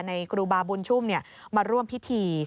ครูบาบุญชุ่มมาร่วมพิธี